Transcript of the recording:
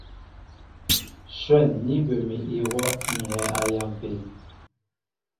Shwɛ̂n ní bə mi ihwɔ́ ŋ̀ hɛɛ a yampi.